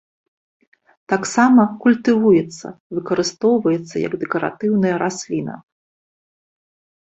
Таксама культывуецца, выкарыстоўваецца як дэкаратыўная расліна.